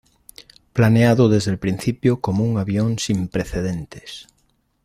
Planeado desde el principio como un avión sin precedentes.